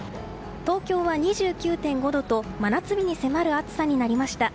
東京は２９．５度と真夏日に迫る暑さになりました。